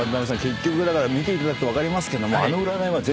結局見ていただくと分かりますけど。